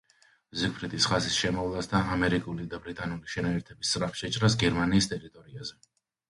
ზიგფრიდის ხაზის შემოვლას და ამერიკული და ბრიტანული შენაერთების სწრაფ შეჭრას გერმანიის ტერიტორიაზე.